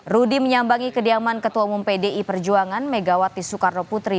rudy menyambangi kediaman ketua umum pdi perjuangan megawati soekarno putri